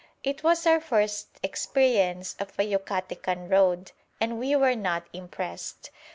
It was our first experience of a Yucatecan road, and we were not impressed.